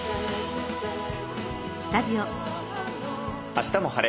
「あしたも晴れ！